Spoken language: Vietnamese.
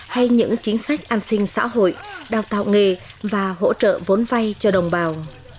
hay những chính sách an sinh xã hội đào tạo nghề và hỗ trợ vốn vay cho đồng bào